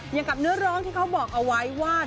อย่างกับเนื้อร้องที่เขาบอกเอาไว้ว่า